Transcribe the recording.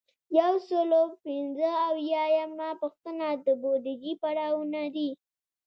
یو سل او پنځه اویایمه پوښتنه د بودیجې پړاوونه دي.